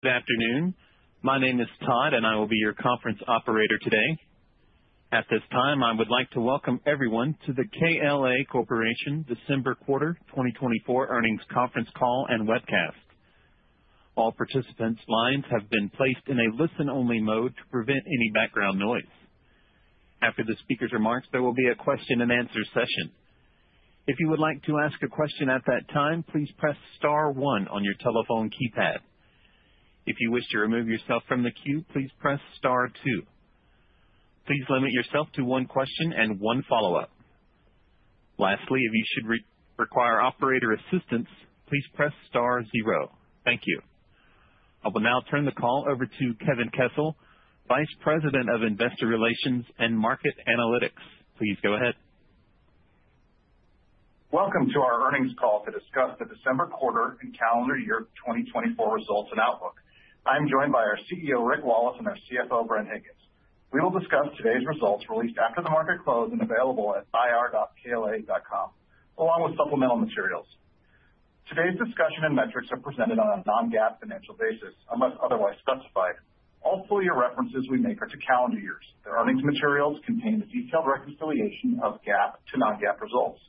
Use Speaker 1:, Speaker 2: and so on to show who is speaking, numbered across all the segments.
Speaker 1: Good afternoon, my name is Todd and I will be your conference operator today. At this time I would like to welcome everyone to the KLA Corporation December Quarter 2024 Earnings Conference Call and webcast. All participants' lines have been placed in a listen-only mode to prevent any background noise. After the speaker's remarks, there will be a question and answer session. If you would like to ask a question at that time, please press star one on your telephone keypad. If you wish to remove yourself from the queue, please press star two. Please limit yourself to one question and one follow up. Lastly, if you should require operator assistance, please press star zero. Thank you. I will now turn the call over to Kevin Kessel, Vice President of Investor Relations and Market Analytics. Please go ahead.
Speaker 2: Welcome to our earnings call to discuss the December quarter and calendar year 2024 results and outlook. I am joined by our CEO Rick Wallace and our CFO Bren Higgins. We will discuss today's results released after the market closed and available at ir.kla.com along with supplemental materials. Today's discussion and metrics are presented on a non-GAAP financial basis unless otherwise specified. All full year references we make are to calendar years. The earnings materials contain a detailed reconciliation of GAAP to non-GAAP results.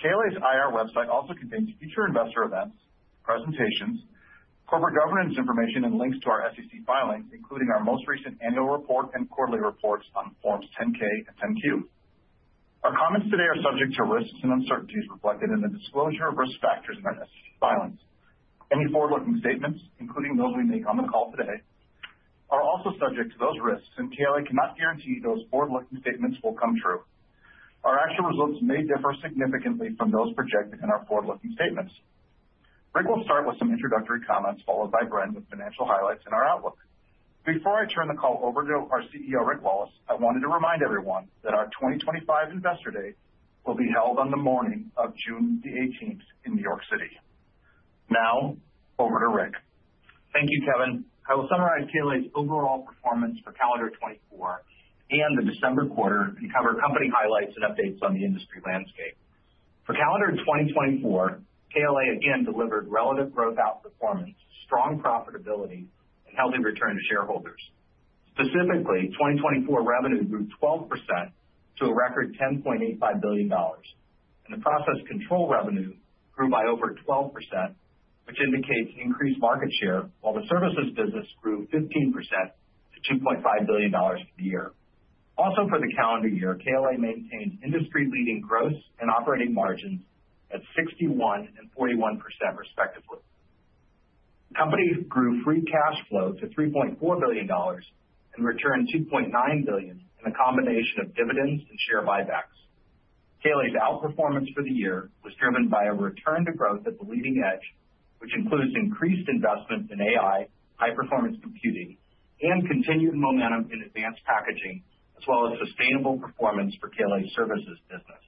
Speaker 2: KLA's IR website also contains future investor events presentations, corporate governance information and links to our SEC filings, including our most recent annual report and quarterly reports on Forms 10-K and 10-Q. Our comments today are subject to risks and uncertainties reflected in the disclosure of risk factors in our SEC filings. Any forward-looking statements, including those we make on the call today, are also subject to those risks, and KLA cannot guarantee those forward-looking statements will come true. Our actual results may differ significantly from those projected in our forward-looking statements. Rick will start with some introductory comments followed by Bren with financial highlights and our outlook. Before I turn the call over to our CEO Rick Wallace, I wanted to remind everyone that our 2025 Investor Day will be held on the morning of June 18th in New York City. Now over to Rick.
Speaker 3: Thank you Kevin. I will summarize KLA's overall performance for calendar 2024 and the December quarter and cover company highlights and updates on the industry landscape. For calendar 2024, KLA again delivered relative growth, outperformance, strong profitability and healthy return to shareholders. Specifically, 2024 revenue grew 12% to a record $10.85 billion and the process control revenue grew by over 12% which indicates increased market share while the services business grew 15% to $2.5 billion per year. Also for the calendar year, KLA maintained industry leading gross and operating margins at 61% and 41% respectively. The company grew free cash flow to $3.4 billion and returned $2.9 billion in a combination of dividends and share buybacks. KLA's outperformance for the year was driven by a return to growth at the leading edge which includes increased investment in AI, high performance computing and continued momentum in advanced packaging as well as sustainable performance for KLA services business,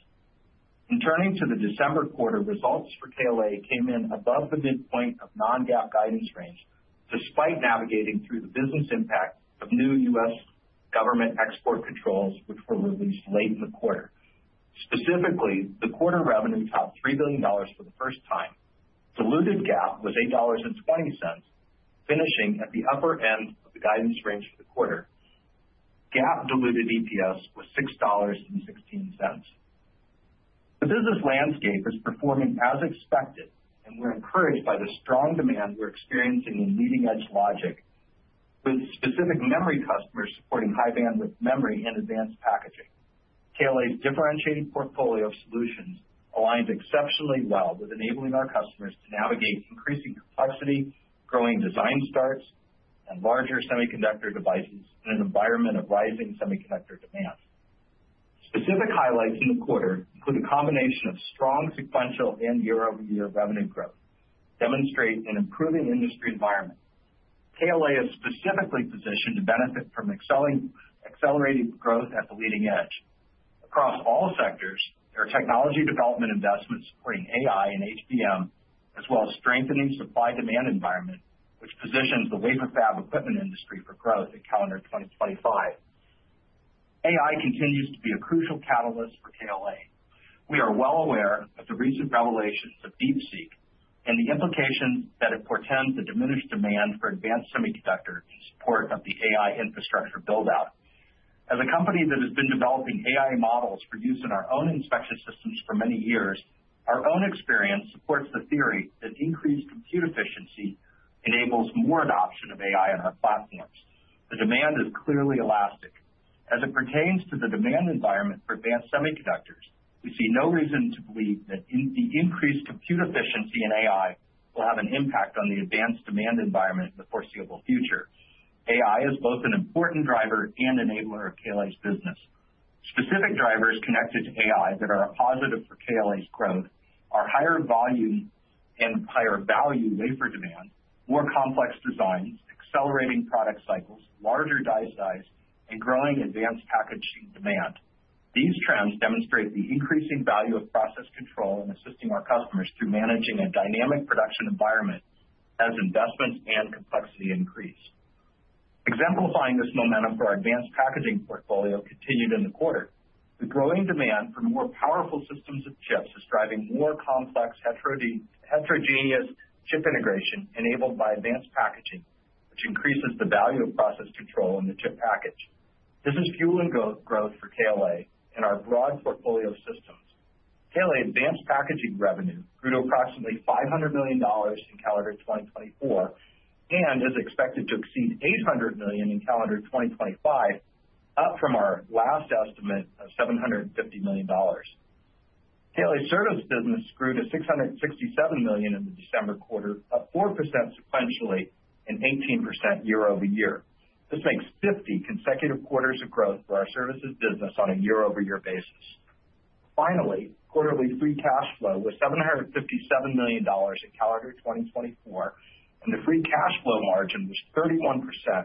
Speaker 3: and turning to the December quarter, results for KLA came in above the midpoint of non-GAAP guidance range despite navigating through the business impact of new U.S. Government export controls which were released late in the quarter. Specifically, the quarter revenue topped $3 billion for the first time, diluted non-GAAP was $8.20, finishing at the upper end of the guidance range. For the quarter, GAAP diluted EPS was $6.16. The business landscape is performing as expected and we're encouraged by the strong demand we're experiencing in leading edge logic and with specific memory customers supporting high bandwidth memory and advanced packaging. KLA's differentiated portfolio of solutions aligns exceptionally well with enabling our customers to navigate increasing complexity, growing design starts and larger semiconductor devices in an environment of rising semiconductor demand. Specific highlights in the quarter include a combination of strong sequential and year-over-year revenue growth demonstrates an improving industry environment. KLA is specifically positioned to benefit from accelerated growth at the leading edge across all sectors. There are technology development investments supporting AI and HBM as well as strengthening supply-demand environment which positions the wafer fab equipment industry for growth in calendar 2025. AI continues to be a crucial catalyst for KLA. We are well aware of the recent revelations of DeepSeek and the implications that it portends a diminished demand for advanced semiconductors in support of the AI infrastructure buildout. As a company that has been developing AI models for use in our own inspection systems for many years, our own experience supports the theory that increased compute efficiency enables more adoption of AI in our platforms. The demand is clearly elastic as it pertains to the demand environment for advanced semiconductors. We see no reason to believe that the increased compute efficiency in AI will have an impact on the advanced demand environment in the foreseeable future. AI is both an important driver and enabler of KLA's business. Specific drivers connected to AI that are a positive for KLA's growth are higher volume and higher value wafer demand, more complex designs, accelerating product cycles, larger die size and growing advanced packaging demand. These trends demonstrate the increasing value of process control in assisting our customers through managing a dynamic production environment as investments and complexity increase. Exemplifying this momentum for our advanced packaging portfolio continued in the quarter. The growing demand for more powerful systems of chips is driving more complex heterogeneous chip integration enabled by advanced packaging which increases the value of process control in the chip package. This is fueling growth for KLA in our broad portfolio of systems. KLA advanced packaging revenue grew to approximately $500 million in calendar 2024 and is expected to exceed $800 million in calendar 2025, up from our last estimate of $750 million. KLA service business grew to $667 million in the December quarter, up 4% sequentially and 18% year over year. This makes 50 consecutive quarters of growth for our services business on a year over year basis. Finally, quarterly free cash flow was $757 million in calendar 2024 and the free cash flow margin was 31%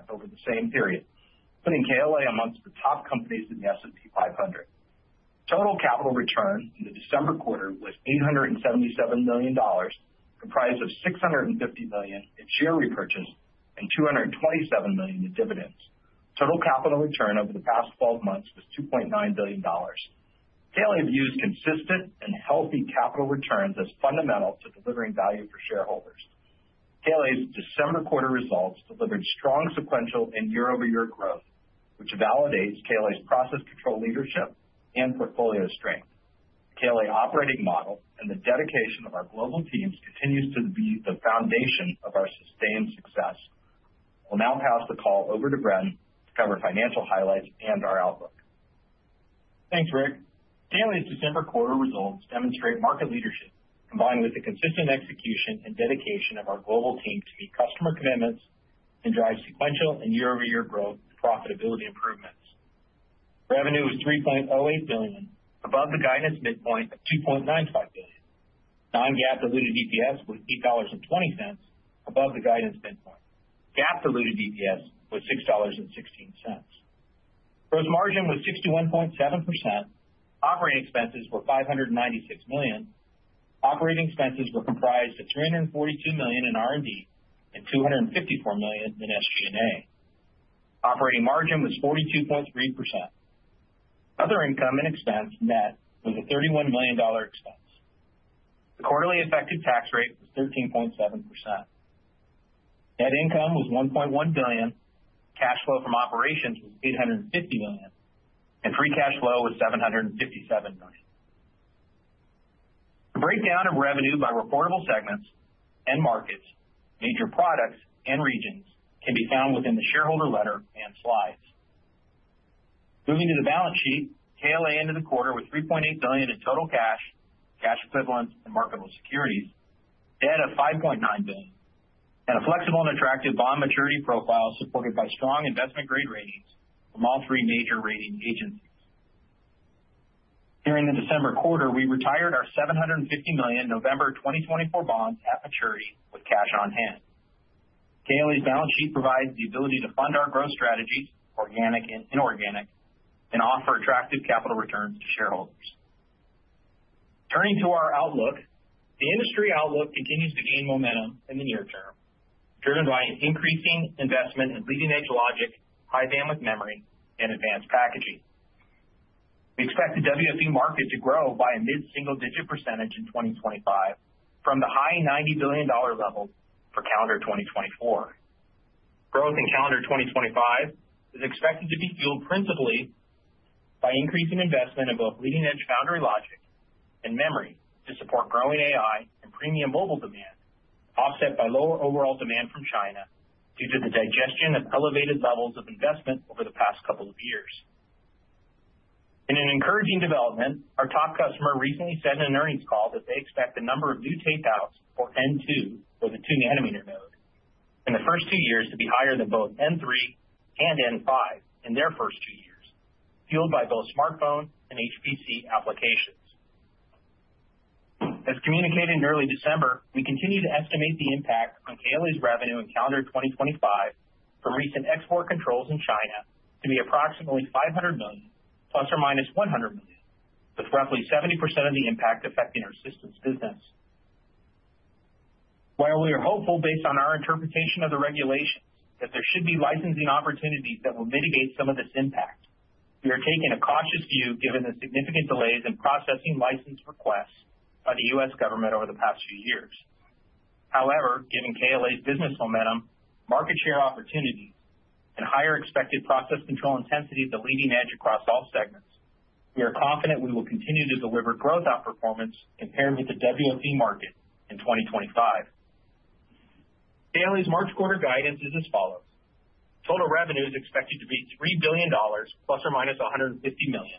Speaker 3: over the same period, putting KLA amongst the top companies in the S&P 500. Total capital return in the December quarter was $877 million comprised of $650 million in share repurchase and $227 million in dividends. Total capital return over the past 12 months was $2.9 billion. KLA views consistent and healthy capital returns as fundamental to delivering value for shareholders. KLA's December quarter results delivered strong sequential and year over year growth which validates KLA's process control, leadership and portfolio strength. KLA operating model and the dedication of our global teams continues to be the foundation of our sustained success. We'll now pass the call over to Bren to cover financial highlights and our outlook.
Speaker 4: Thanks Rick. KLA's December quarter results demonstrate market leadership combined with the consistent execution and dedication of our global team to meet customer commitments and drive sequential and year-over-year growth. Profitability improvements. Revenue was $3.08 billion above the guidance midpoint of $2.95 billion. Non-GAAP diluted EPS was $8.20 above the guidance midpoint. GAAP diluted EPS was $6.16. Gross margin was 61.7%. Operating expenses were $596 million. Operating expenses were comprised of $342 million in R&D and $254 million in SG&A. Operating margin was 42.3%. Other income and expense net was a $31 million expense. The quarterly effective tax rate was 13.7%. Net income was $1.1 billion. Cash flow from operations was $850 million and free cash flow was $757 million. The breakdown of revenue by reportable segments, end markets, major products and regions can be found within the shareholder letter and slides. Moving to the Balance Sheet. KLA ended the quarter with $3.8 billion in total cash, cash equivalents and marketable securities, debt of $5.9 billion and a flexible and attractive bond maturity profile supported by strong investment-grade ratings from all three major rating agencies. During the December quarter, we retired our $750 million November 2024 bonds at maturity. Cash on hand, KLA's balance sheet provides the ability to fund our growth strategies, organic and inorganic, and offer attractive capital returns to shareholders. Turning to our outlook, the industry outlook continues to gain momentum in the near term driven by an increasing investment in leading-edge logic, high bandwidth memory and advanced packaging. We expect the WFE market to grow by a mid-single-digit percentage in 2025 from the high $90 billion level for calendar 2024. Growth in calendar 2025 is expected to be fueled principally by increasing investment in both leading edge foundry logic and memory to support growing AI and premium mobile demand offset by lower overall demand from China due to the digestion of elevated levels of investment over the past couple of years. In an encouraging development, our top customer recently said in an earnings call that they expect a number of new tapeouts at N2 with a 2 nanometer node in the first two years to be higher than both N3 and N5 in their first two years fueled by both smartphone and HPC applications. As communicated in early December, we continue to estimate the impact on KLA's revenue in calendar 2025 from recent export controls in China to be approximately $500 million plus or minus $100 million, with roughly 70% of the impact affecting our systems business. While we are hopeful based on our interpretation of the regulations that there should be licensing opportunities that will mitigate some of this impact, we are taking a cautious view given the significant delays in processing license requests by the U.S. government over the past few years. However, given KLA's business momentum, market share opportunities and higher expected process control intensity is the leading edge across all segments. We are confident we will continue to deliver growth outperformance compared with the WFE market in 2025. KLA's March quarter guidance is as follows. Total revenue is expected to be $3 billion plus or minus $150 million.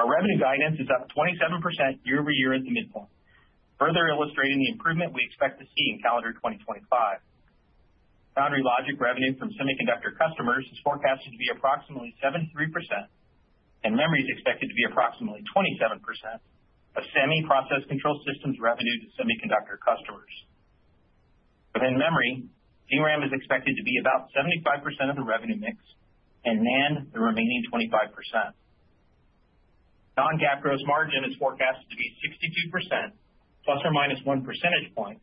Speaker 4: Our revenue guidance is up 27% year over year at the midpoint, further illustrating the improvement we expect to see in calendar 2025. Foundry Logic revenue from semiconductor customers is forecasted to be approximately 73%, and memory is expected to be approximately 27% of semi process control systems revenue to semiconductor customers. Within memory, DRAM is expected to be about 75% of the revenue mix and NAND the remaining 25%. Non-GAAP gross margin is forecasted to be 62% plus or minus 1 percentage point,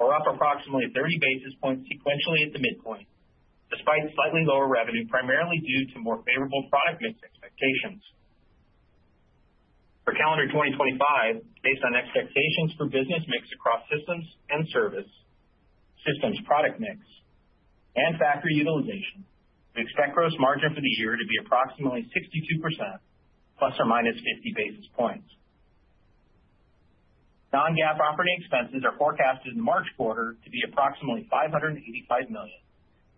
Speaker 4: or up approximately 30 basis points sequentially at the midpoint despite slightly lower revenue primarily due to more favorable product mix expectations for calendar 2025 based on expectations for business mix across systems and service systems, product mix and factory utilization. We expect gross margin for the year to be approximately 62% plus or minus 50 basis points. Non-GAAP operating expenses are forecasted in the March quarter to be approximately $585 million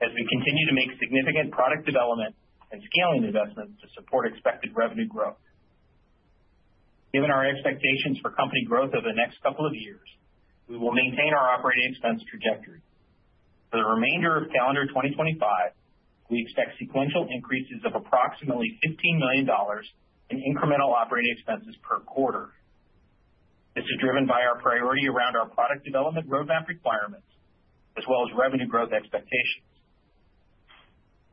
Speaker 4: as we continue to make significant product development and scaling investments to support expected revenue growth. Given our expectations for company growth over the next couple of years, we will maintain our operating expense trajectory for the remainder of calendar 2025. We expect sequential increases of approximately $15 million in incremental operating expenses per quarter. This is driven by our priority around our product development roadmap requirements as well as revenue growth expectations.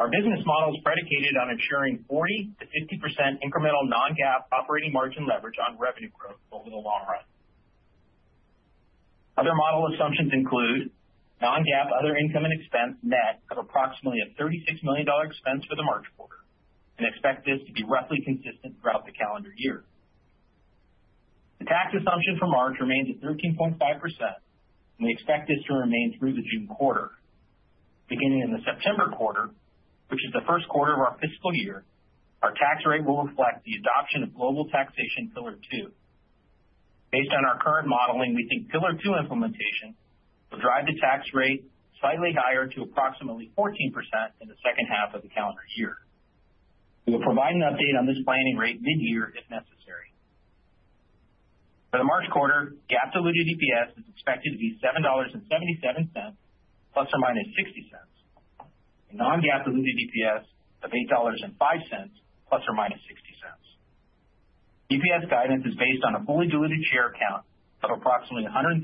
Speaker 4: Our business model is predicated on ensuring 40%-50% incremental non-GAAP operating margin leverage on revenue growth over the long run. Other model assumptions include non-GAAP other income and expense net of approximately a $36 million expense for the March quarter and expect this to be roughly consistent throughout the calendar year. The tax assumption for March remains at 13.5% and we expect this to remain through the June quarter beginning in the September quarter, which is the Q1 of our fiscal year. Our tax rate will reflect the adoption of global taxation Pillar Two. Based on our current modeling, we think Pillar Two implementation will drive the tax rate slightly higher to approximately 14% in the H2 of the calendar year. We will provide an update on this planning rate mid-year if necessary. For the March quarter, GAAP diluted EPS is expected to be $7.77 plus or minus $0.60, non-GAAP diluted EPS of $8.05 plus or minus $0.60. EPS guidance is based on a fully diluted share count of approximately 133.3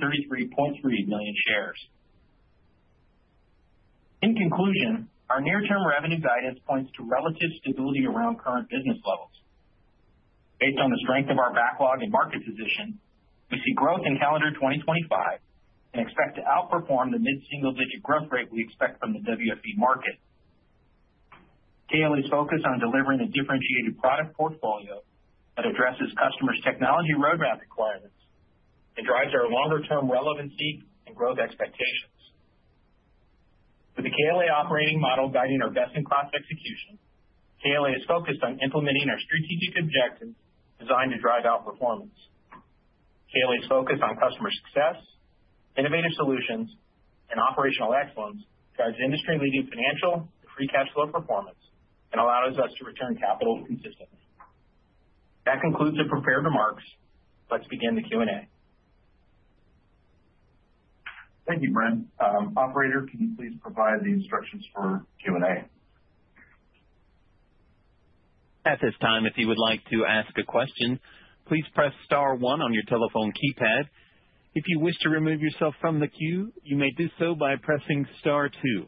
Speaker 4: million shares. In conclusion, our near-term revenue guidance points to relative stability around current business levels. Based on the strength of our backlog and market position, we see growth in calendar 2025 and expect to outperform the mid single digit growth rate we expect from the WFE market. KLA's focus on delivering a differentiated product portfolio that addresses customers' technology roadmap requirements and drives our longer term relevancy and growth expectations. With the KLA operating model guiding our best in class execution, KLA is focused on implementing our strategic objectives designed to drive outperformance. KLA's focus on customer success, innovative solutions and operational excellence drives industry leading financial and free cash flow performance and allows us to return capital consistently. That concludes the prepared remarks. Let's begin the Q&A.
Speaker 2: Thank you, Bren. Operator, can you please provide the instructions for Q&A
Speaker 1: at this time? If you would like to ask a question, please press star one on your telephone keypad. If you wish to remove yourself from the queue, you may do so by pressing star two.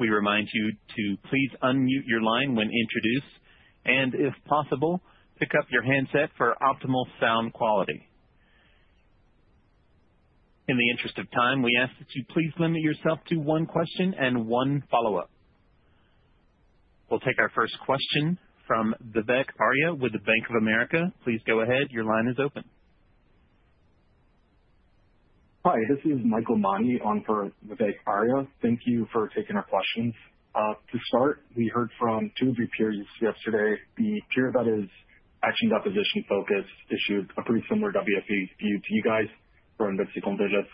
Speaker 1: We remind you to please unmute your line when introduced and if possible pick up your handset for optimal sound quality. In the interest of time, we ask that you please limit yourself to one question and one follow up. We'll take our first question from Vivek Arya with Bank of America. Please go ahead. Your line is open.
Speaker 5: Hi, this is Michael Mani on for Vivek Arya. Thank you for taking our questions. To start, we heard from two of your peers yesterday. The peer that is etch and deposition focused issued a pretty similar WFE view to you guys from the mid-single digits,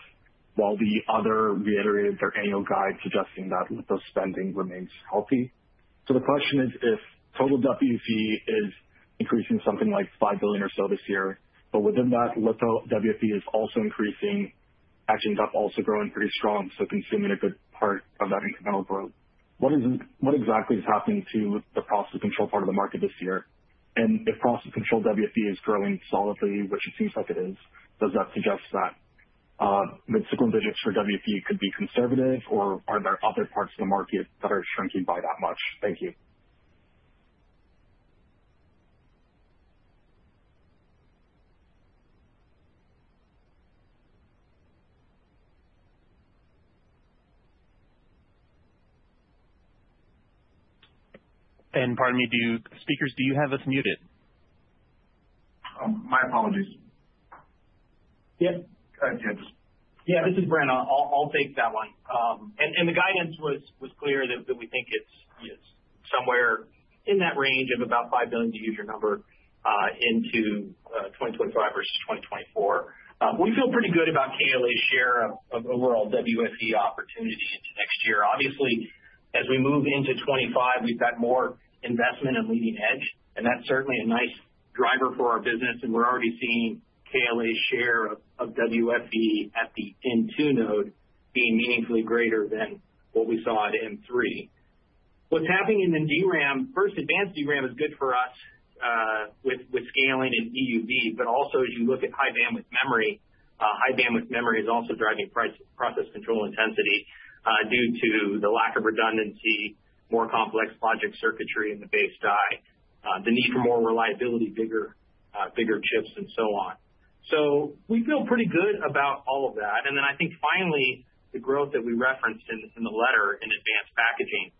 Speaker 5: while the other reiterated their annual guide suggesting that litho spending remains healthy. The question is if total WFE is increasing something like $5 billion or so this year, but within that litho WFE is also increasing, actually ends up also growing pretty strong, so consuming a good part of that incremental growth. What exactly is happening to the process control part of the market this year? And if process control WFE is growing solidly, which it seems like it is, does that suggest that mid single digits for WFE could be conservative? Or are there other parts of the market that are shrinking by that much? Thank you.
Speaker 3: And pardon me, to the speakers. Do you have us muted?
Speaker 1: My apologies.
Speaker 4: Yes, yes, this is Bren. I'll take that one. And the guidance was clear that we think it's somewhere in that range of about $5 billion, to use your number, in 2025 versus 2024. We feel pretty good about KLA's share of overall WFE opportunity into next year. Obviously, as we move into 2025 we've got more investment and leading edge and that's certainly a nice driver for our business. And we're already seeing KLA's share of WFE at the N2 node being meaningfully greater than what we saw at N3. What's happening in the DRAM. First, advanced DRAM is good for us with scaling and EUV, but also as you look at high bandwidth memory. High bandwidth memory is also driving process control intensity due to the lack of redundancy, more complex logic circuitry in the base die, the need for more reliability, bigger chips and so on. So we feel pretty good about all of that. And then I think finally the growth that we referenced in the letter in advanced packaging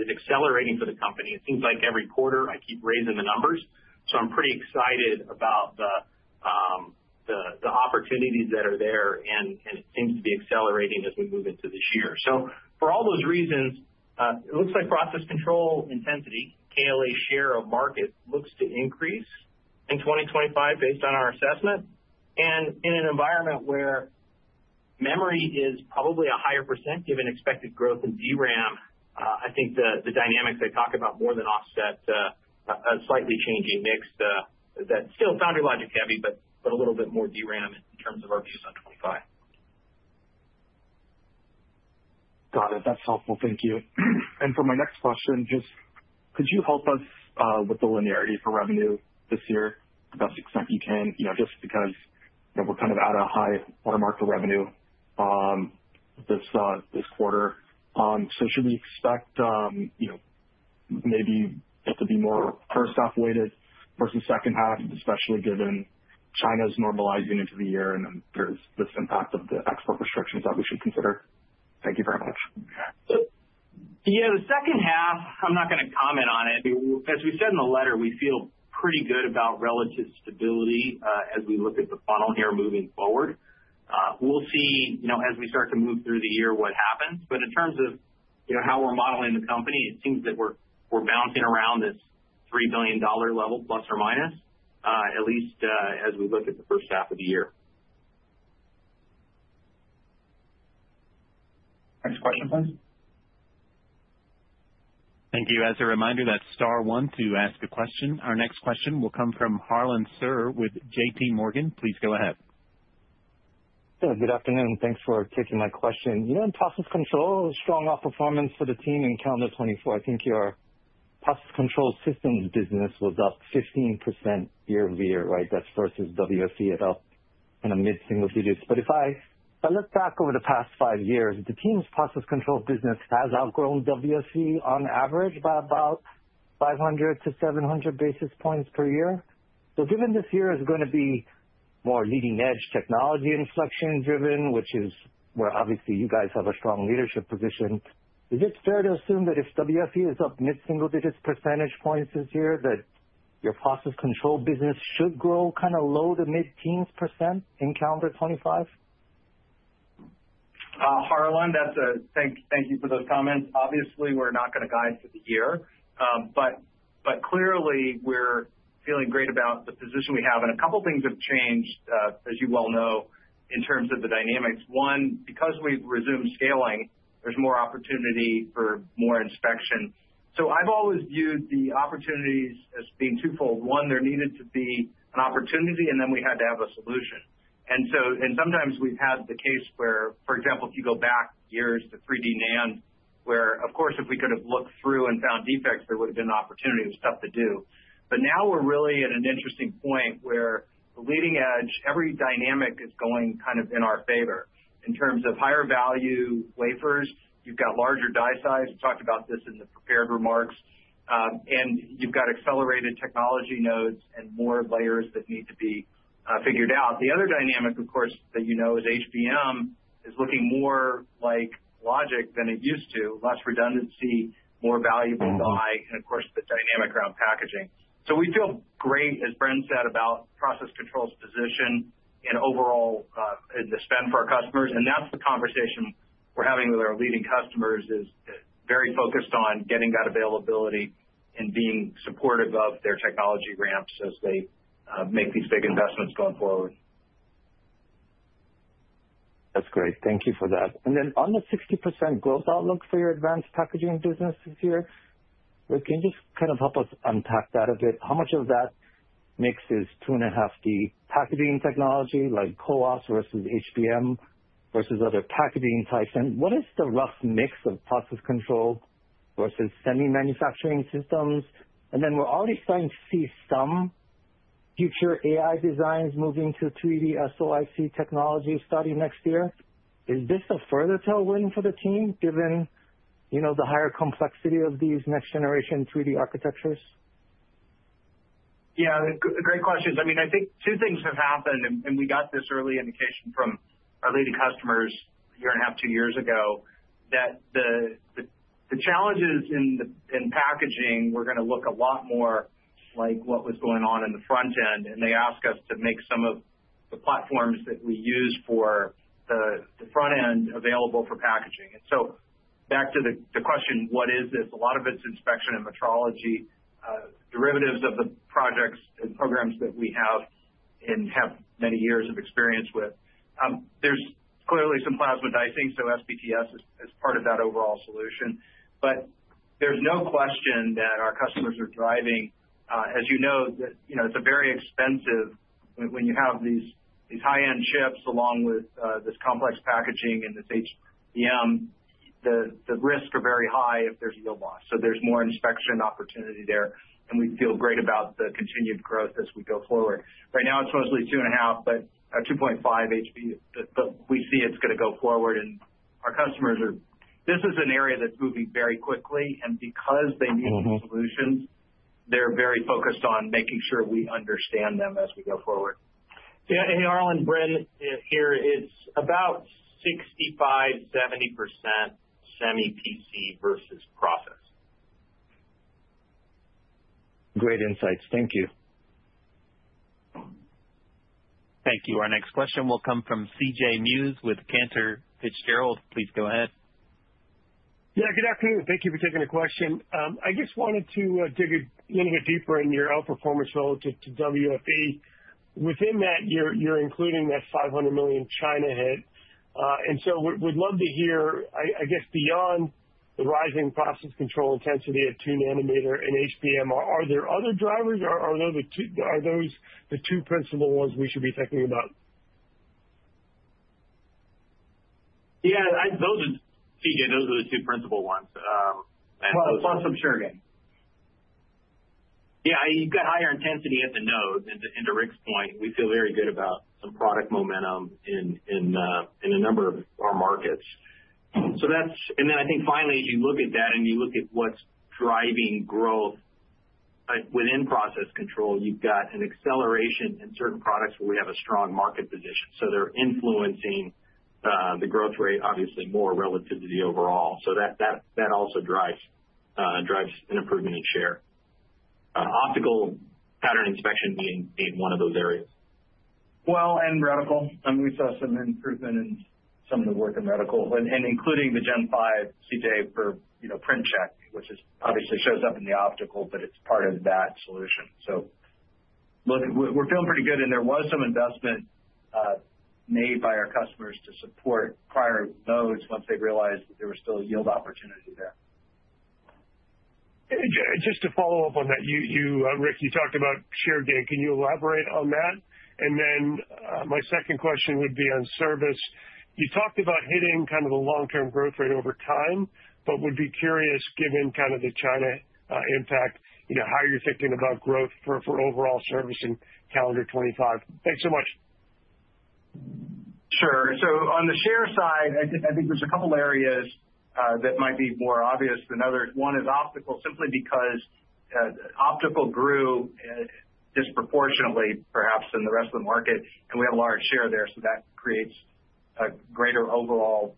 Speaker 4: is accelerating for the company. It seems like every quarter I keep raising the numbers, so I'm pretty excited about the opportunities that are there. And it seems to be accelerating as we move into this year. So for all those reasons, it looks like Process Control Intensity KLA share of market looks to increase in 2025 based on our assessment and in an environment where memory is probably a higher % given expected growth in DRAM. I think the dynamics I talk about more than offset a slightly changing mix that's still Foundry Logic heavy, but a little bit more DRAM in terms of our views on 25.
Speaker 5: Got it. That's helpful. Thank you. And for my next question, just could you help us with the linearity for revenue this year to the best extent you can? You know, just because we're kind of at a high watermark for revenue this quarter. So should we expect, you know, maybe it could be more H1 weighted versus H2, especially given China's normalizing into the year and there's this impact of the export restrictions that we should consider? Thank you very much.
Speaker 4: Yeah, the H2. I'm not going to comment on it. As we said in the letter, we feel pretty good about relative stability as we look at the funnel here moving forward. We'll see as we start to move through the year what happens. But in terms of how we're modeling the company, it seems that we're bouncing around this $3 billion level, plus or minus at least as we look at the H1 of the year. Next question please.
Speaker 1: Thank you. As a reminder, that's star one to ask a question. Our next question will come from Harlan Sur with JP Morgan. Please go ahead.
Speaker 6: Good afternoon. Thanks for taking my question. You know, in process control, strong outperformance for the team in calendar 24. I think your process control systems business was up 15% year over year. Right. That's versus WFE up in a mid-single-digits. But if I look back over the past five years, the team's process control business has outgrown WFE on average by about 500-700 basis points per year. So given this year is going to be more leading-edge technology inflection driven, which is where obviously you guys have a strong leadership position, is it fair to assume that if WFE is up mid-single-digits percentage points this year that your process control business should grow kind of low-to-mid-teens % in calendar 25?
Speaker 4: Harlan, that's a thank you for those comments. Obviously we're not going to guide for the year, but clearly we're feeling great about the position we have. And a couple things have changed, as you well know, in terms of the dynamics. One, because we've resumed scaling, there's more opportunity for more inspection. So I've always viewed the opportunities as being twofold. One, there needed to be an opportunity and then we had to have a solution. And so, and sometimes we've had the case where for example, if you go back years to 3D NAND, where of course if we could have looked through and found defects, there would have been opportunity. It was tough to do, but now we're really at an interesting point where the leading edge every dynamic is going kind of in our favor. In terms of higher value wafers, you've got larger die size, we talked about this in the prepared remarks. And you've got accelerated technology nodes and more layers that need to be figured out. The other dynamic of course that you know is HBM is looking more like logic than it used to. Less redundancy, more valuable per bit and of course the dynamic around packaging. So we feel great, as Bren said about process control's position and overall the spend for our customers and that's the conversation we're having with our leading customers is very focused on getting that availability and being supportive of their technology ramps as they make these big investments going forward.
Speaker 6: That's great, thank you for that. And then on the 60% growth outlook for your advanced packaging business this year. Can you just kind of help us unpack that a bit? How much of that mix is 2.5D packaging technology like CoWoS versus HBM versus other packaging types? And what is the rough mix of process control versus semi manufacturing systems? And then we're already starting to see some future AI designs moving to 3D SoIC technology starting next year. Is this a further tailwind for the team given, you know, the higher complexity of these next generation 3D architectures?
Speaker 4: Yes, great questions. I mean I think two things have happened and we got this early indication from our leading customers a year and a half, two years ago that the challenges in packaging were going to look a lot more like what was going on in the front end. And they asked us to make some of the platforms that we use for the front end available for packaging. And so back to the question, what is this? A lot of it's inspection and metrology derivatives of the projects and programs that we have and have many years of experience with. There's clearly some plasma dicing, so SPTS is part of that overall solution. But there's no question that our customers are driving. As you know, it's a very expensive. When you have these high-end chips along with this complex packaging and this hetero, the risks are very high if there's yield loss. So there's more inspection opportunity there and we feel great about the continued growth as we go forward. Right now it's mostly 2.5D but 2.5D HPC but we see it's going to go forward and our customers are. This is an area that's moving very quickly and because they need solutions, they're very focused on making sure we understand them as we go forward. Hey, Harlan Sur, Bren here. It's about 65%-70% semi PC versus process.
Speaker 6: Great insights. Thank you.
Speaker 1: Thank you. Our next question will come from CJ Muse with Cantor Fitzgerald. Please go ahead.
Speaker 7: Yeah, good afternoon. Thank you for taking the question. I just wanted to dig a little bit deeper in your outperformance relative to WFE within that you're including that $500 million China hit. And so we'd love to hear, I guess beyond the rising process control intensity at 2 nanometer and HBM, are there other drivers? Are those the two principal ones we should be thinking about?
Speaker 3: Yeah, those are the, those are the two principal ones. Plus I'm sure again yeah, you've got higher intensity at the node into Rick's point. We feel very good about some product momentum in a number of our markets. So that's. And then I think finally as you look at that and you look at what's driving growth within process control, you've got an acceleration in certain products where we have a strong market position. So they're influencing the growth rate obviously more relative to the overall. So that also drives an improvement in share. Optical pattern inspection being one of those areas. Well, and reticle and we saw some improvement in some of the work in reticle and including the Gen 5 CJ for you know, print check which is obviously shows up in the optical but it's part of that solution. So look, we're feeling pretty good and there was some investment made by our customers to support prior nodes once they realized that there was still a yield opportunity there.
Speaker 7: Just to follow up on that, you, Rick, you talked about share gain. Can you elaborate on that? And then my second question would be on service. You talked about hitting kind of the long term growth rate over time, but would be curious given kind of the China impact, how you're thinking about growth for overall service in calendar 2025? Thanks so much.
Speaker 3: Sure. So on the share side, I think there's a couple areas that might be more obvious than others. One is optical, simply because optical grew disproportionately perhaps in the rest of the market and we have a large share there. So that creates a greater overall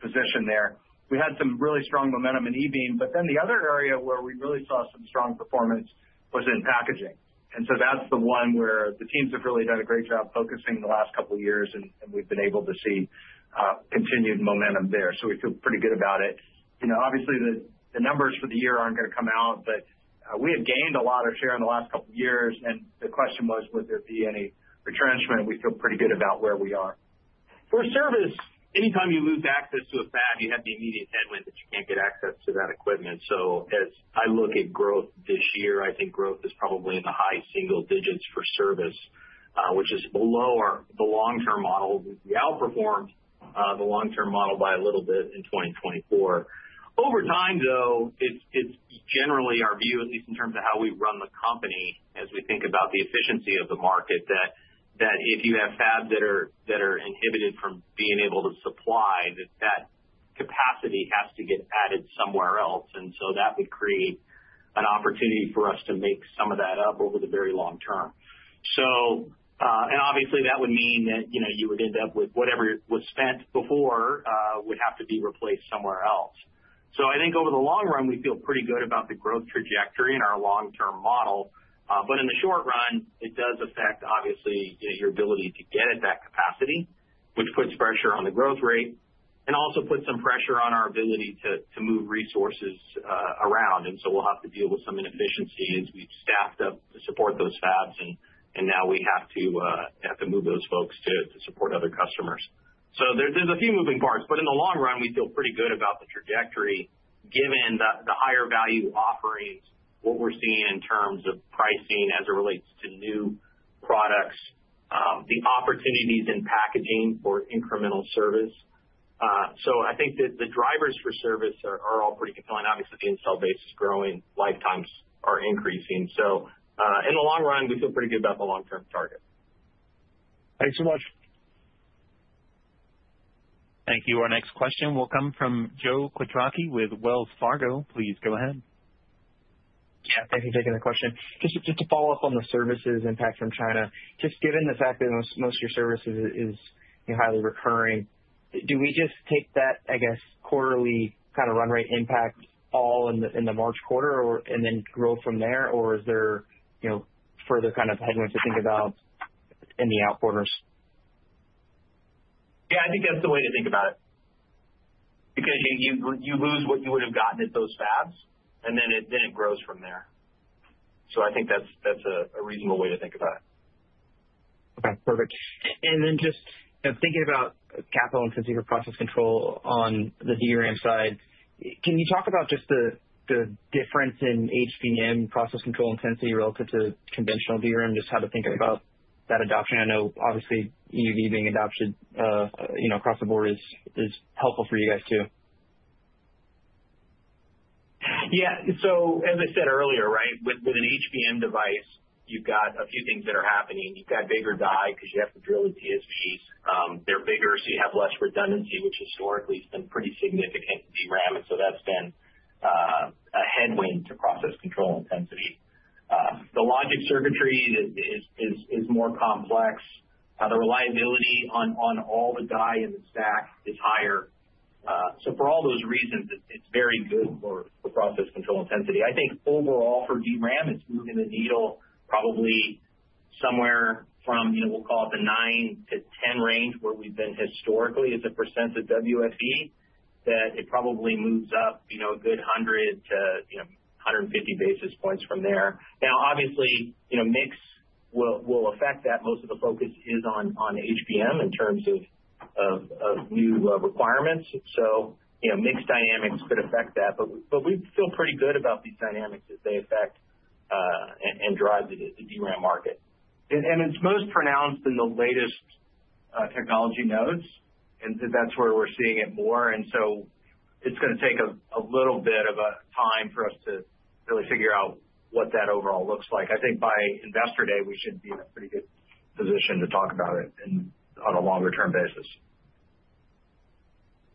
Speaker 3: position there. We had some really strong momentum in E-beam, but then the other area where we really saw some strong performance was in packaging. And so that's the one where the teams have really done a great job focusing the last couple of years and we've been able to see continued momentum there. So we feel pretty good about it. You know, obviously the numbers for the year aren't going to come out, but we have gained a lot of share in the last couple years and the question was, would there be any retrenchment? We feel pretty good about where we are for service. Anytime you lose access to a fab, you have the immediate headwind that you can't get access to that equipment. So as I look at growth this year, I think growth is probably in the high single digits for service, which is below the long term model. We outperformed the long term model by a little bit in 2024. Over time, though, it's generally our view, at least in terms of how we run the company, as we think about the efficiency of the market, that if you have fabs that are inhibited from being able to supply, that capacity has to get added somewhere else, and so that would create an opportunity for us to make some of that up over the very long term, so, and obviously that would mean that you would end up with whatever was spent before would have to be replaced somewhere else, so I think over the long run we feel pretty good about the growth trajectory in our long term model, but in the short run it does affect obviously your ability to get at that capacity, which puts pressure on the growth rate and also puts some pressure on our ability to move resources around. And so we'll have to deal with some inefficiencies. We've staffed up to support those fabs and now we have to move those folks to support other customers. So there's a few moving parts, but in the long run, we feel pretty good about the trajectory given the higher value offerings, what we're seeing in terms of pricing as it relates to new products, the opportunities in packaging for incremental service. So I think that the drivers for service are all pretty compelling. Obviously the install base is growing, lifetimes are increasing. So in the long run, we feel pretty good about the long term target.
Speaker 7: Thanks so much.
Speaker 1: Thank you. Our next question will come from Joe Quatrocchi with Wells Fargo. Please go ahead.
Speaker 8: Yeah, thank you for taking that question. Just to follow up on the services impact from China. Just given the fact that most of your services is highly recurring, do we just take that, I guess quarterly kind of run rate impact all in the, in the March quarter or, and then grow from there or is there, you know, further kind of headwinds to think about in the out quarters?
Speaker 3: Yeah, I think that's the way to think about it because you lose what you would have gotten at those fabs and then it grows from there. So I think that's a reasonable way to think about it.
Speaker 8: Okay, perfect. And then just thinking about capital and physical process control on the DRAM side, can you talk about just the difference in HBM process control intensity relative to conventional DRAM, just how to think about that adoption? I know obviously EUV being adopted across the board is helpful for you guys too.
Speaker 3: Yeah. So as I said earlier, right, with an HBM device, you've got a few things that are happening. You've got bigger die because you have to drill the TSV, they're bigger, so you have less redundancy, which historically has been pretty significant DRAM. And so that's been a headwind to process control intensity. The logic circuitry is more complex, the reliability on all the die in the stack is higher. So for all those reasons, it's very good for process control intensity. I think overall for DRAM, it's moving the needle probably somewhere from, we'll call it the 9 to 10 range, where we've been historically as a percent of WFE, that it probably moves up a good 100 to 150 basis points from there. Now obviously mix will affect that. Most of the focus is on HBM in terms of new requirements. So mix dynamics could affect that. But we feel pretty good about these dynamics as they affect and drive the DRAM market. And it's most pronounced in the latest technology nodes. And that's where we're seeing it more. And so it's going to take a little bit of a time for us to really figure out what that overall looks like. I think by investor day we should be in a pretty good position to talk about it on a longer term basis.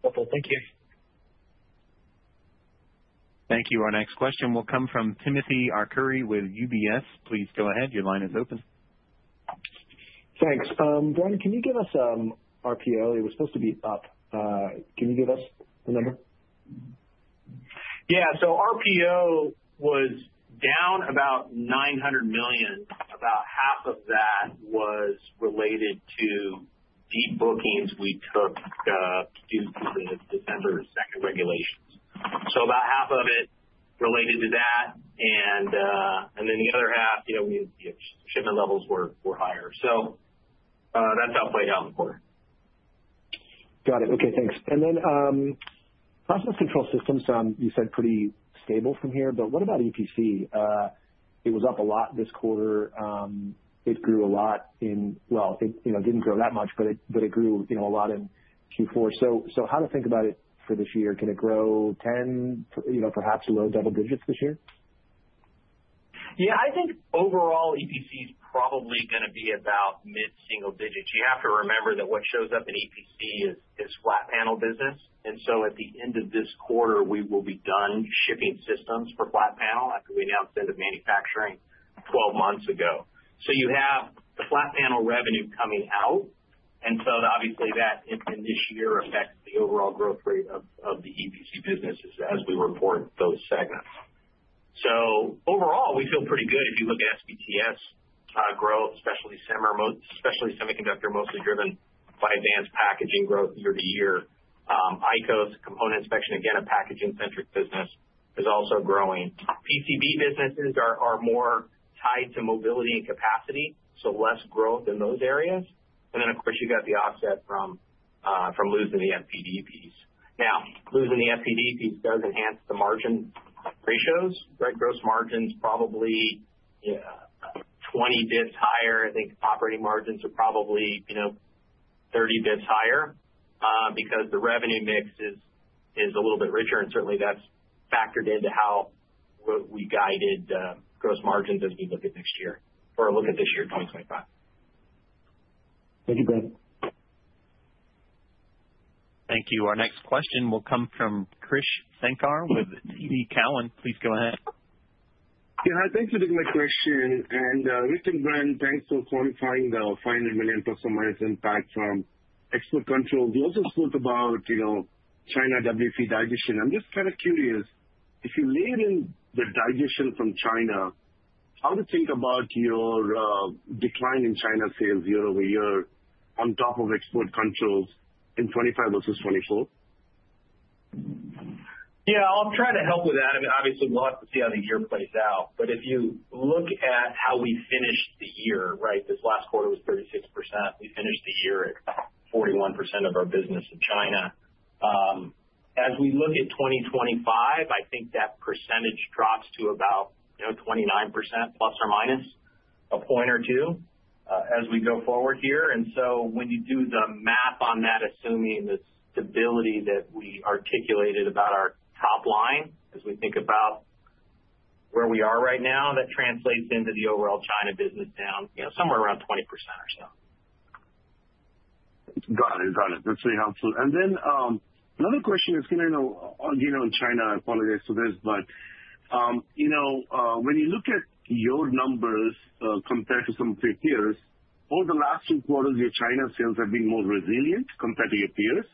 Speaker 8: Helpful. Thank you.
Speaker 1: Thank you. Our next question will come from Timothy Arcuri with UBS. Please go ahead. Your line is open.
Speaker 9: Thanks. Bren, can you give us RPO? It was supposed to be up. Can you give us the number?
Speaker 4: Yeah. So RPO was down about $900 million. About half of that was related to the bookings we took due to the December 2nd regulations. So about half of it related to that and then the other half shipment levels were higher. So that's how it played out in the quarter.
Speaker 9: Got it. Okay, thanks. And then process control systems you said pretty stable from here. But what about EPC? It was up a lot this quarter. Well, it didn't grow that much, but it grew a lot in Q4. So how to think about it for this year? Can it grow 10, perhaps low double digits this year?
Speaker 4: Yes, I think overall EPC is probably going to be about mid single digits. You have to remember that what shows up in EPC is flat panel business. And so at the end of this quarter we will be done shipping systems for flat panel after we announced end of manufacturing 12 months ago. So you have the flat panel revenue coming out. And so obviously that in this year affects the overall growth rate of flat panel of the EPC businesses as we report those segments. So overall we feel pretty good. If you look at SPTS growth, especially in semi, especially semiconductor, mostly driven by advanced packaging growth year to year. ICOS component inspection, again a packaging-centric business is also growing. PCB businesses are more tied to mobility and capacity so less growth in those areas. And then of course you got the offset from losing the FPD piece. Now losing the FPD piece does enhance the margin ratios. Gross margin is probably 20 basis points higher. I think operating margins are probably 30 basis points higher because the revenue mix is a little bit richer. And certainly that's factored into how we guided gross margins as we look at next year or look at this year, 2025.
Speaker 9: Thank you, Bren.
Speaker 1: Thank you. Our next question will come from Krish Sankar with TD Cowen. Please go ahead.
Speaker 10: Thanks for taking my question. And Rick and Bren, thanks for quantifying the $500 million-plus dollar impact from export control. We also spoke about China WFE digestion. I'm just kind of curious if you layer in the digestion from China, how to think about your decline in China sales year over year on top of export controls in 2025 versus 2024?
Speaker 3: Yeah, I'll try to help with that. I mean, obviously we'll have to see how the year plays out. But if you look at how we finished the year, right, this last quarter was 36%. We finished the year at 41% of our business in China. As we look at 2025, I think that percentage drops to about, you know, 29% plus or minus a point or two as we go forward here. And so when you do the math on that, assuming the stability that we articulated about our top line, as we think about where we are right now, that translates into the overall China business down somewhere around 20% or so.
Speaker 10: Got it, got it. That's very helpful. And then another question is again on China. I apologize for this, but you know, when you look at your numbers compared to some of your peers, over the last two quarters, your China sales have been more resilient compared to your peers.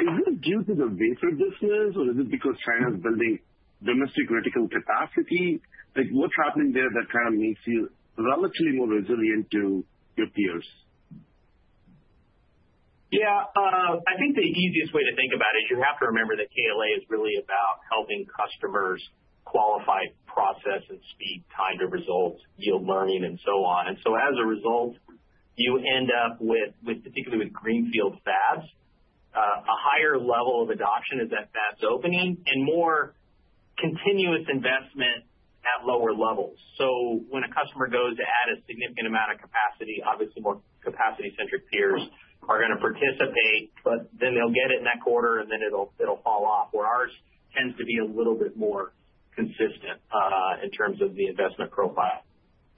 Speaker 10: Is this due to the wafer business or is it because China is building domestic vertical capacity like what's happening there, that kind of makes you relatively more resilient than your peers?
Speaker 3: Yeah, I think the easiest way to think about it is you have to remember that KLA is really about helping customers qualify processes and speed time to results, yield learning and so on. And so as a result you end up with, particularly with Greenfield fabs, a higher level of adoption as that fab's opening and more continuous investment at lower levels. So when a customer goes to add a significant amount of capacity, obviously more capacity centric peers are going to participate, but then they'll get it in that quarter and then it'll fall off where ours tends to be a little bit more consistent in terms of the investment profile.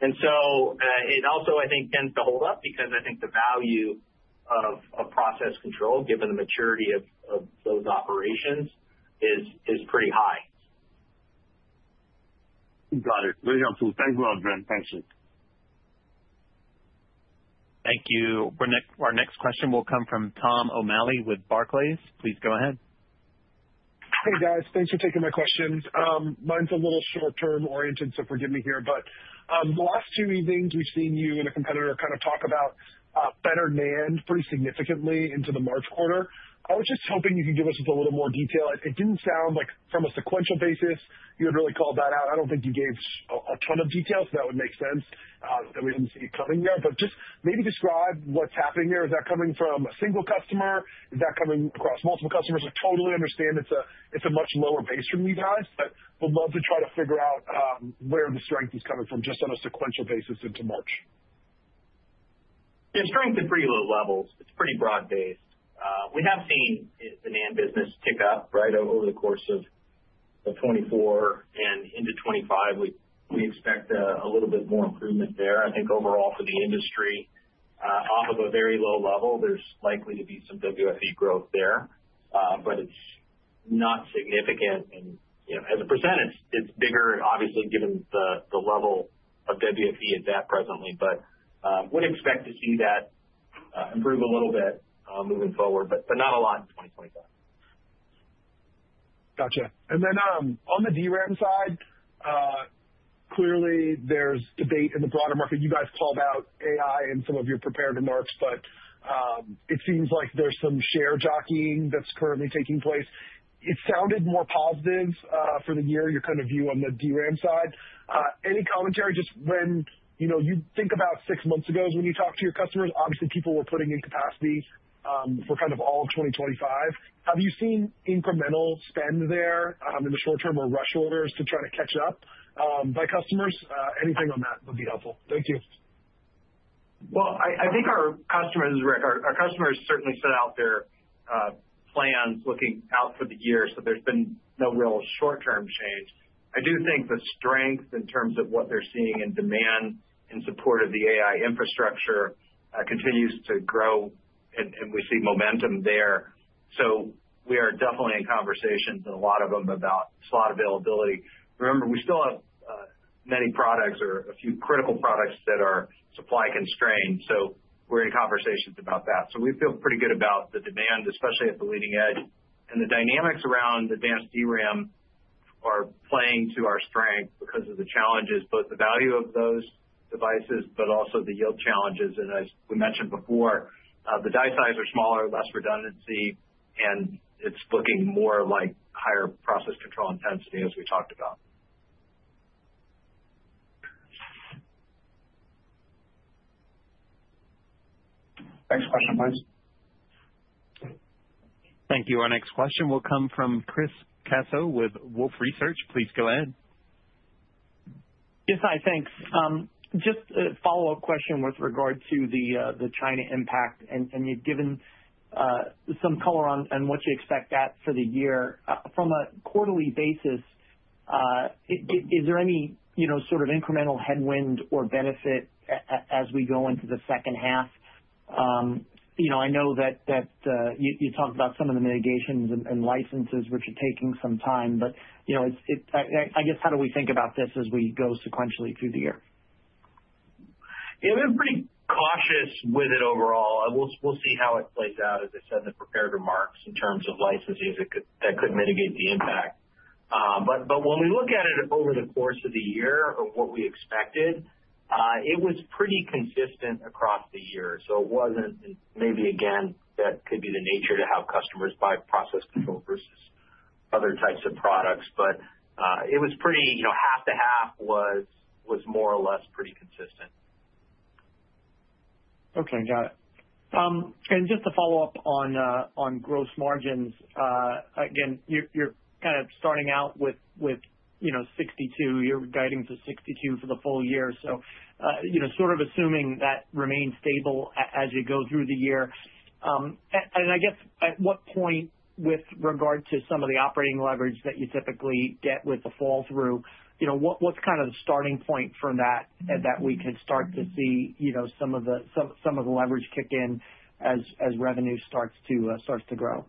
Speaker 3: And so it also, I think, tends to hold up because I think the value of process control, given the maturity of those operations, is pretty high.
Speaker 10: Got it. Very helpful. Thanks a lot. Thanks.
Speaker 1: Thank you. Our next question will come from Tom O'Malley with Barclays. Please go ahead.
Speaker 11: Thanks for taking my questions. Mine's a little short-term oriented, so forgive me here, but the last two earnings we've seen you and a competitor kind of talk about better NAND pretty significantly into the March quarter. I was just hoping you could give us a little more detail. It didn't sound like, from a sequential basis, you had really called that out. I don't think you gave a ton of detail. So that would make sense that we didn't see it coming there, but just maybe describe what's happening there. Is that coming from a single customer? It's coming across multiple customers. I totally understand it's a much lower base from these guys, but would love to try to figure out where the strength is coming from just on a sequential basis into March.
Speaker 3: Yes, strength and pretty low levels. It's pretty broad based. We have seen the NAND business tick up right over the course of 2024 and into 2025. We expect a little bit more improvement there. I think overall for the industry off of a very low level, there's likely to be some WFE growth there, but it's not significant. And as a percent it's bigger obviously given the level of WFE it's at presently, but would expect to see that improve a little bit moving forward, but not a lot in 2025.
Speaker 11: Gotcha. And then on the DRAM side, clearly there's debate in the broader market. You guys called out AI in some of your prepared remarks, but it seems like there's some share jockeying that's currently taking place. It sounded more positive for the year. Your kind of view on the DRAM side, any commentary? Just when you think about six months ago when you talk to your customers, obviously people were putting in capacity for kind of all of 2025. Have you seen incremental spend there in the short term or rush orders to try to catch up by customers? Anything on that would be helpful?
Speaker 3: Well, I think our customers certainly set out their plans looking out for the year. So there's been no real short term change. I do think the strength in terms of what they're seeing in demand in support of the AI infrastructure continues to grow and we see momentum there. So we are definitely in conversations, a lot of them about slot availability. Remember we still have many products or a few critical products that are supply constrained so we're in conversations about that. So we feel pretty good about the demand, especially at the leading edge. And the dynamics around advanced DRAM are playing to our strength because of the challenges, both the value of those devices but also the yield challenges. And as we mentioned before, the die size are smaller, less redundancy and it's looking more like higher process control intensity as we talked about. Next question please.
Speaker 1: Thank you. Our next question will come from Chris Caso with Wolfe Research. Please go ahead.
Speaker 12: Yes, hi. Thanks. Just a follow up question with regard to the China impact and you've given some color on what you expect for the year from a quarterly basis. Is there any sort of incremental headwind or benefit as we go into the H2? I know that you talked about some of the mitigations and licenses, which are taking some time. But I guess how do we think about this as we go sequentially through the year?
Speaker 3: Yes, we're pretty cautious with it overall. We'll see how it plays out. As I said in the prepared remarks, in terms of licensees, that could mitigate the impact. But when we look at it over the course of the year or what we expected, it was pretty consistent across the year. So it wasn't maybe again that could be the nature to have customers buy process control versus other types of products, but it was pretty half to half was more or less pretty consistent.
Speaker 12: Okay, got it. Just to follow up on gross margins, again, you're kind of starting out with 62%, you're guiding to 62% for the full year. So sort of assuming that remains stable as you go through the year and I guess at what point with regard to some of the operating leverage that you typically get with the flow-through, what's kind of the starting point for that? That we could start to see some of the leverage kick in as revenue starts to grow?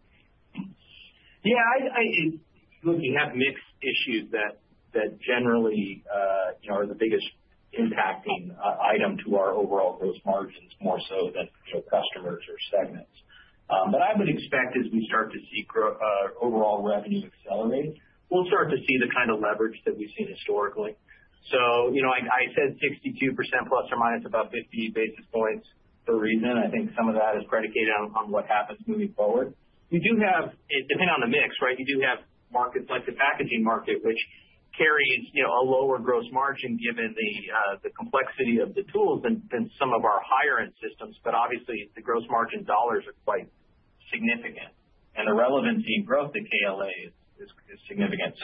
Speaker 3: Yeah, look, you have mix issues that generally are the biggest impacting item to our overall gross margins, more so than our customers or segments. But I would expect as we start to see overall revenue accelerate, we'll start to see the kind of leverage that we've seen historically. So you know, I said 62% plus or minus about 50 basis points per quarter. I think some of that is predicated on what happens moving forward. We do have, depending on the mix. Right. You do have markets like the packaging market, which carries a lower gross margin given the complexity of the tools than some of our higher end systems. But obviously the gross margin dollars are quite significant and the relevancy and growth to KLA is significant.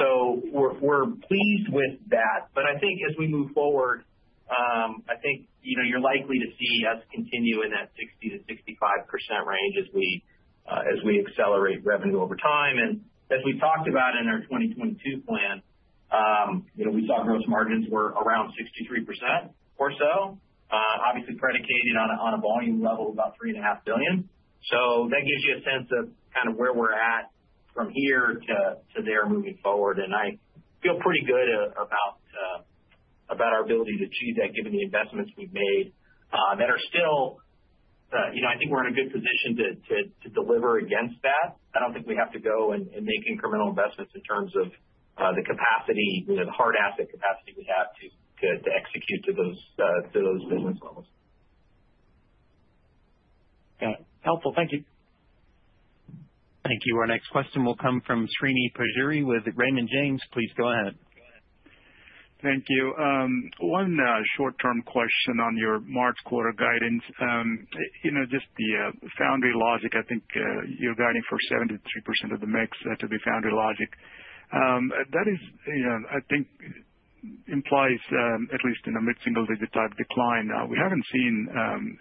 Speaker 3: So we're pleased with that. But I think as we move forward, I think you're likely to see us continue in that 60%-65% range as we accelerate revenue over time. And as we talked about in our 2022 plan, we saw gross margins were around 63% or so, obviously predicated on a volume level about $3.5 billion. So that gives you a sense of kind of where we're at from here to there moving forward. I feel pretty good about our ability to achieve that given the investments we've made that are still, you know, I think we're in a good position to deliver against that. I don't think we have to go and make incremental investments in terms of the capacity, the hard asset capacity we have to execute to those business levels.
Speaker 12: Helpful. Thank you.
Speaker 1: Thank you. Our next question will come from Srini Pajjuri with Raymond James. Please go ahead.
Speaker 13: Thank you. One short-term question on your March quarter guidance. You know, just the foundry logic I think you're guiding for 73% of the mix to be foundry logic that is I think implies at least in a mid-single-digit type decline. We haven't seen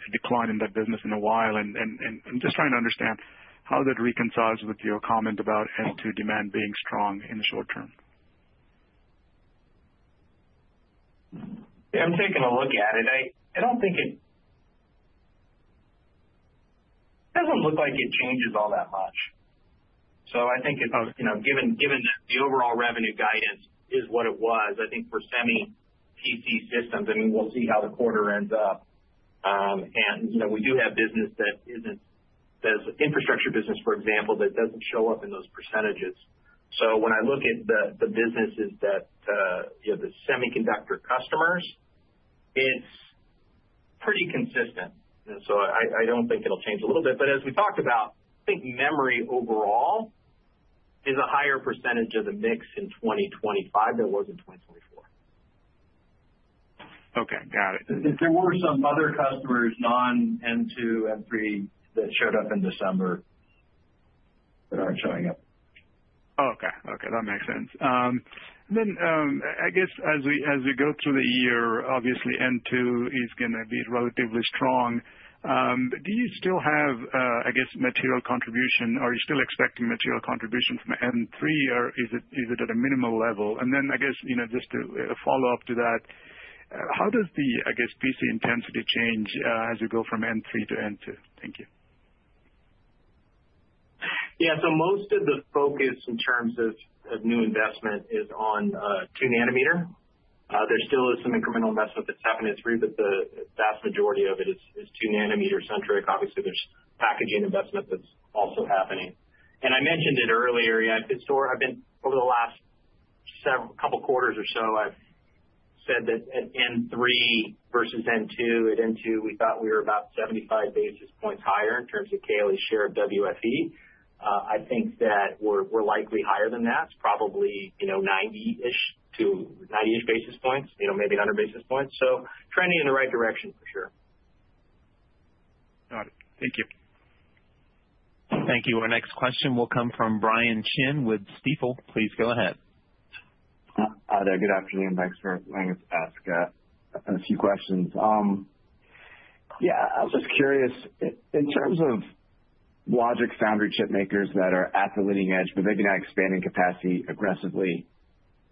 Speaker 13: a decline in that business in a while, and I'm just trying to understand how that reconciles with your comment about as to demand being strong in the short term?
Speaker 3: I'm taking a look at it. I don't think it doesn't look like it changes all that much. So I think given that the overall revenue guidance is what it was, I think for semi PC systems, I mean we'll see how the quarter ends up. And we do have business that isn't infrastructure business for example, that doesn't show up in those percentages. So when I look at the businesses that the semiconductor customers, it's pretty consistent. So I don't think it'll change a little bit. But as we talked about, I think memory overall is a higher percentage of the mix in 2025 than it was in 2024.
Speaker 13: Okay, got it.
Speaker 3: There were some other customers non-N2, N3 that showed up in December that aren't showing up.
Speaker 13: Okay, okay, that makes sense. Then I guess as we go through the year, obviously N2 is going to be relatively strong. Do you still have I guess material contribution? Are you still expecting material contribution from N3 or is it at a minimal level? And then I guess just a follow up to that. How does the I guess PC intensity change as you go from N3 to N2? Thank you.
Speaker 3: Yeah, so most of the focus in terms of new investment is on 2 nanometer. There still is some incremental investment that's happened in 3 but the vast majority of it is 2 nanometer centric. Obviously there's packaging investment that's also happening and I mentioned it earlier. I've been over the last several couple quarters or so I've said that at N3 versus N2. At N2 we thought we were about 75 basis points higher. In terms of KLA's share of WFE, I think that we're likely higher than that. Probably 90-ish to 90-ish basis points, maybe 100 basis points. So trending in the right direction for sure.
Speaker 13: Got it. Thank you.
Speaker 1: Thank you. Our next question will come from Brian Chin with Stifel. Please go ahead.
Speaker 14: Hi there. Good afternoon. Thanks for letting us ask a few questions. Yeah, I was just curious. In terms of logic foundry chip makers that are at the leading edge, but maybe not expanding capacity aggressively,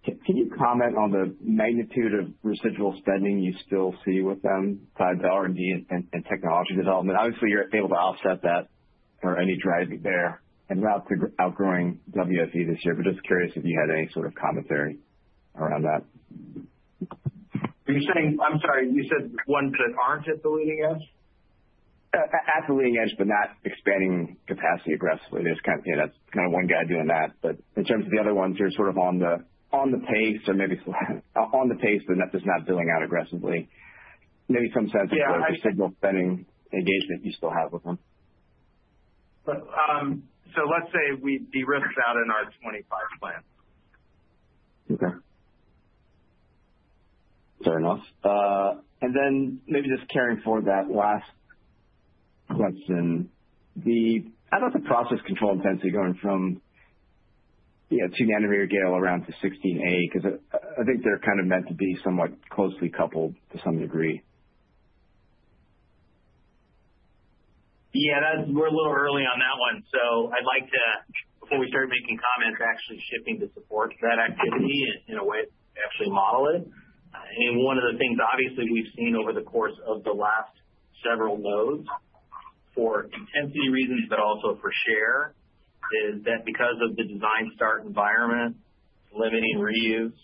Speaker 14: can you comment on the magnitude of residual spending you still see with them R&D and technology development? Obviously you're able to offset that for any driving there and route to outgrowing WFE this year. But just curious if you had any sort of commentary around that.
Speaker 3: You're saying? I'm sorry, you said one that aren't at the leading edge.
Speaker 14: At the leading edge, but not expanding capacity aggressively. There's kind of, that's kind of one guy doing that. But in terms of the other ones, you're sort of on the, on the pace or maybe on the pace the net is not building out aggressively. Maybe some sense of signal spending engagement you still have with them.
Speaker 3: So let's say we de-risk that in our 2025 plan.
Speaker 14: Okay, fair enough. And then maybe just carrying forward that last question, how about the process control intensity going from 2 nanometer gate-all-around to A16? Because I think they're kind of meant to be somewhat complicated, closely coupled to some degree.
Speaker 3: Yeah, we're a little early on that one. So I'd like to, before we start making comments, actually shifting to support that activity in a way, actually model it. And one of the things obviously we've seen over the course of the last several nodes for intensity reasons, but also for share, is that because of the design start environment limiting reuse,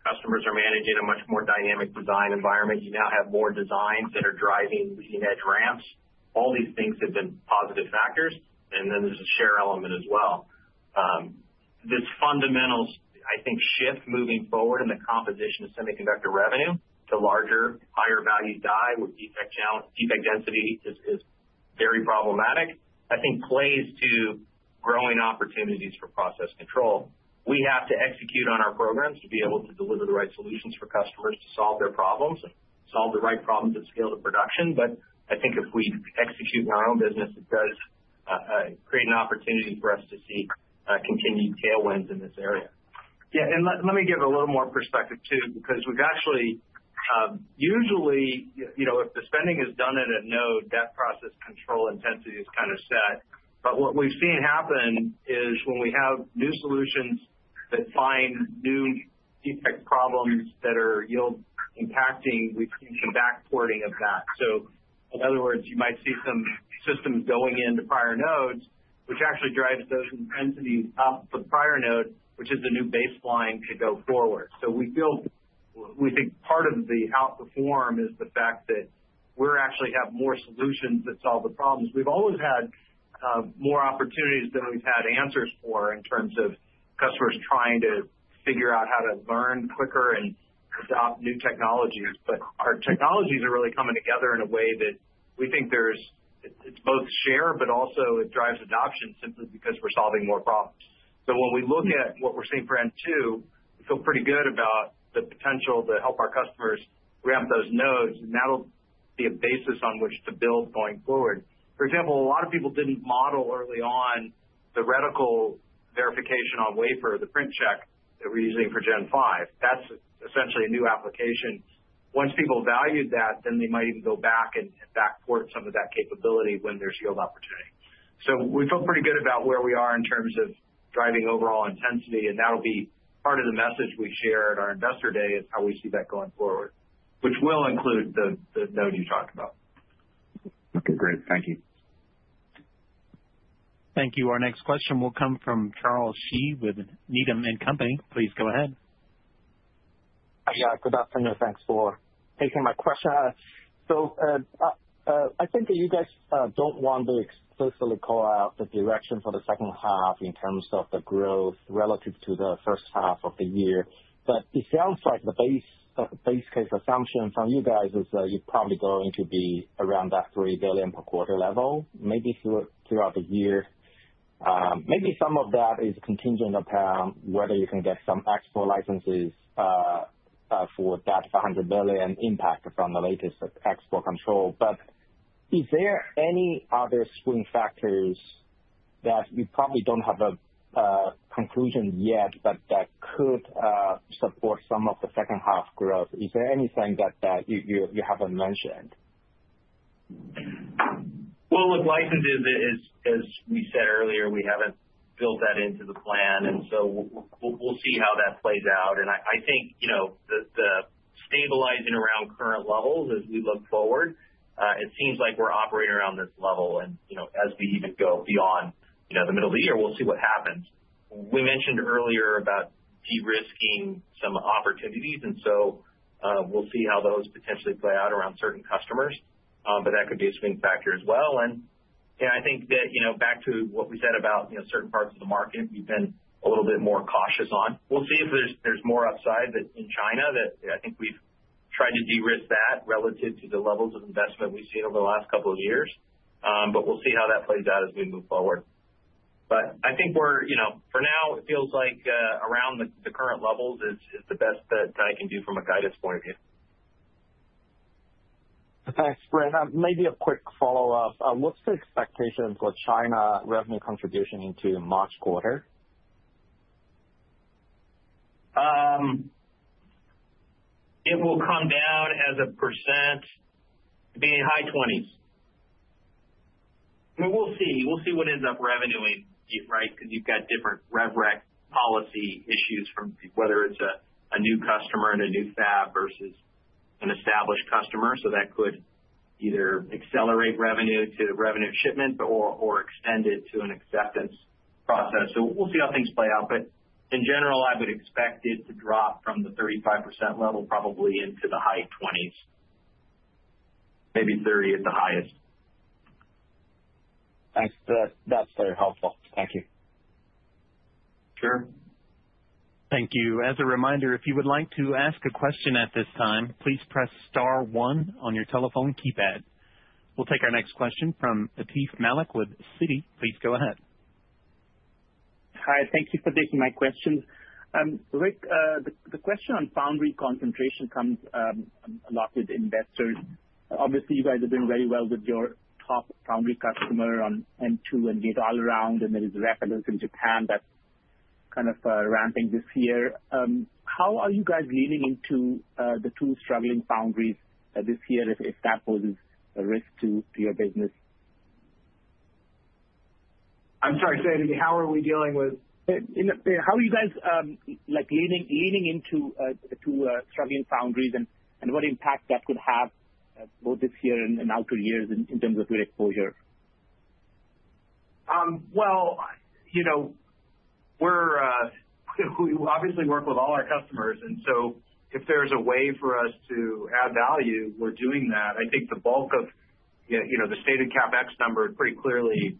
Speaker 3: customers are managing a much more dynamic design environment. You now have more designs that are driving leading edge ramps. All these things have been positive factors. And then there's a share element as well. These fundamentals I think shift moving forward in the composition of semiconductor revenue to larger higher value die with defect density is very problematic. I think plays to growing opportunities for process control. We have to execute on our programs to be able to deliver the right solutions for customers to solve their problems and solve the right problems of scale to production. But I think if we execute in our own business, it does create an opportunity for us to see continued tailwinds in this area. Yeah, and let me give a little more perspective too because we've actually usually, you know, if the spending is done in a node, the process control intensity is kind of set. But what we've seen happen is when we have new solutions that find new defect problems that are yield impacting, we've seen some backporting of that. So in other words, you might see some systems going into prior nodes which actually drives those intensities up in the prior node, which is the new baseline to go forward. So we feel, we think part of the outperform is the fact that we actually have more solutions that solve the problems. We've always had more opportunities than we've had answers for in terms of customers trying to figure out how to learn quicker and adopt new technologies. But our technologies are really coming together in a way that we think there's, it's both share but also it drives adoption simply because we're solving more problems. So when we look at what we're seeing for N2, we feel pretty good about the potential to help our customers ramp those nodes and that'll be a basis on which to build going forward. For example, a lot of people didn't model early on the reticle verification on wafer, the print check that we're using for Gen 5, that's essentially a new application. Once people valued that, then they might even go back and backport some of that capability when there's yield opportunity. So we feel pretty good about where we are in terms of driving overall intensity. And that will be part of the message we share at our investor day, is how we see that going forward, which will include the node you talked about.
Speaker 14: Okay, great. Thank you.
Speaker 1: Thank you. Our next question will come from Charles Shi with Needham & Company. Please go ahead. Good afternoon.
Speaker 15: Thanks for taking my question. So I think you guys, I don't want to explicitly call out the direction for the H2 in terms of the growth relative to the H1 of the year, but it sounds like the base case assumption from you guys is you're probably going to be around that $3 billion per quarter level maybe throughout the year. Maybe some of that is contingent upon whether you can get some export licenses for that $500 billion impact from the latest export control. But is there any other swing factors that you probably don't have a conclusion yet but that could support some of the H2 growth? Is there anything that you haven't mentioned?
Speaker 4: Well, look, licenses, as we said earlier, we haven't built that into the plan and so we'll see how that plays out. And I think now the stabilizing around current levels as we look forward. It seems like we're operating around this level and you know, as we even go beyond, you know, the middle of the year, we'll see what happens. We mentioned earlier about de-risking some opportunities and so we'll see how those potentially play out around certain customers. But that could be a swing factor as well. And I think that you know, back to what we said about, you know, certain parts of the market we've been a little bit more cautious on. We'll see if there's more upside in China that I think we've tried to de-risk that relative to the levels of investment we've seen over the last couple of years. But we'll see how that plays out as we move forward. But I think we're, you know, for now it feels like around the current levels is the best that I can do from a guidance point of view.
Speaker 15: Thanks, Bren. Maybe a quick follow up. What's the expectation for China revenue contribution into March quarter?
Speaker 4: It will come down as a percent, being high 20's. We'll see, we'll see what ends up revenuing. Right, because you've got different revrec policy issues from whether it's a new customer and a new fab versus an established customer. So that could be either accelerate revenue to revenue shipments or extend it to an acceptance process. So we'll see how things play out. But in general, I would expect it to drop from the 35% level probably into the high 20's, maybe 30% at the highest.
Speaker 15: Thanks, that's very helpful, thank you.
Speaker 4: Sure. Thank you.
Speaker 1: As a reminder, if you would like to ask a question at this time, please press star 1 on your telephone keypad. We'll take our next question from Atif Malik with Citi. Please go ahead.
Speaker 16: Hi, thank you for taking my question, Rick. The question on Foundry concentration comes a lot with investors. Obviously you guys are doing very well with your top foundry customer on N2 Nvidia all around and there is reference in Japan that's kind of ramping this year. How are you guys leaning into the two struggling foundries this year if that poses a risk to your business? I'm sorry, how are we dealing with, how are you guys like leaning into the two Korean foundries and what impact that could have both this year and out years in terms of your exposure?
Speaker 3: You know, we're obviously work with all our customers and so if there's a way for us to add value, we're doing that. I think the bulk of the stated CapEx number pretty clearly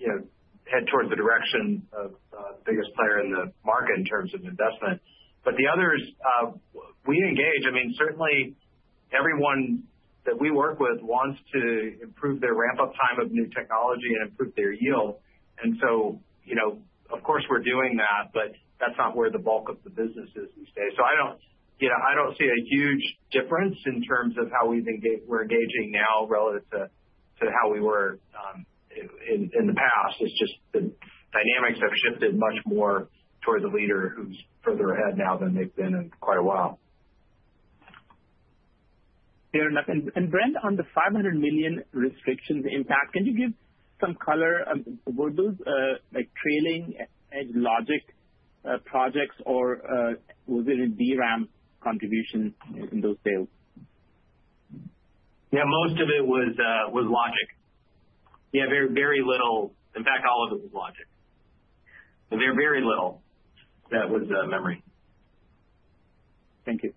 Speaker 3: head towards the direction of biggest player in the market in terms of investment. But the others we engage, I mean certainly everyone that we work with wants to improve their ramp up time of new technology and improve their yield and so of course we're doing that. But that's not where the bulk of the business is these days. So I don't see a huge difference in terms of how we're engaging now relative to how we were in the past. It's just the dynamics have shifted much more towards a leader who's further ahead now than they've been in quite a while.
Speaker 16: Fair enough. And Bren, on the $500 million restrictions impact, can you give some color? Were those like trailing edge logic projects or was it a DRAM contribution in those sales?
Speaker 4: Yeah, most of it was logic. Yeah. Very, very little. In fact, all of it was logic. Very little. That was memory.
Speaker 16: Thank you.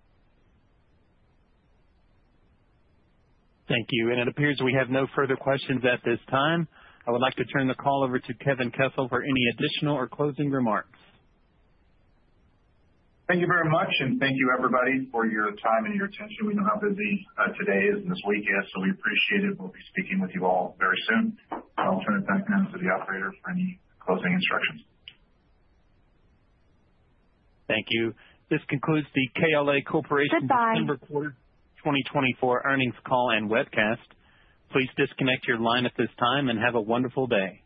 Speaker 1: Thank you. And it appears we have no further questions at this time. I would like to turn the call over to Kevin Kessel for any additional or closing remarks.
Speaker 2: Thank you very much and thank you everybody for your time and your attention. We know how busy today is and this week is, so we appreciate it. We'll be speaking with you all very soon. I'll turn it back in to the operator for any closing instructions.
Speaker 1: Thank you. This concludes the KLA Corporation September Quarter 2024 earnings call and webcast. Please disconnect your line at this time and have a wonderful day.